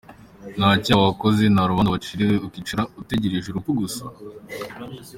Nta cyaha wakoze, nta rubanza waciriwe, ukicara utegereje urupfu gusa?